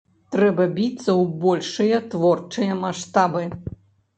Трэба біцца ў большыя творчыя маштабы.